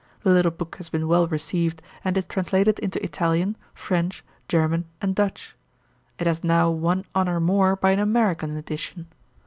The little book has been well received, and is translated into Italian, French, German, and Dutch. It has now one honour more by an American edition.